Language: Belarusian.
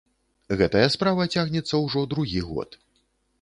Гэтая справа цягнецца ўжо другі год.